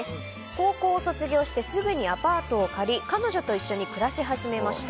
高校を卒業してすぐにアパートを借り彼女と一緒に暮らし始めました。